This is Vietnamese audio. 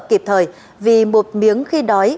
kịp thời vì một miếng khi đói